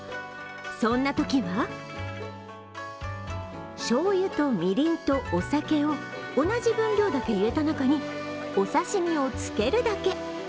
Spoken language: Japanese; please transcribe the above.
そんなときは、しょうゆと、みりんと、お酒を同じ分量だけ入れた中に、お刺身を漬けるだけ。